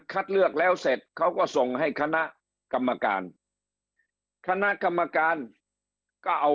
เลือกแล้วเสร็จเขาก็ส่งให้คณะกรรมการคณะกรรมการก็เอา